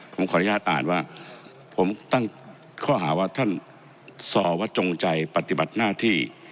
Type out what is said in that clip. ผมขออนุญาตอ่านว่าผมตั้งข้อหาว่าท่านสอว่าจงใจปฏิบัติหน้าที่